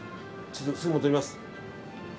すぐ戻ります。